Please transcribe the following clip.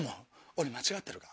俺間違ってるか？